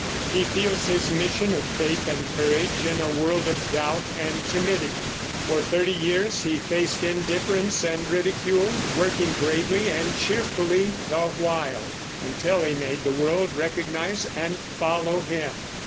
He feels his mission of faith and courage in a world of doubt and timidity. For thirty years he faced indifference or ridicule, working bravely and cheerfully the while, until he made the world recognize and follow him.